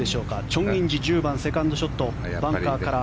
チョン・インジ、１０番セカンドショットバンカーから。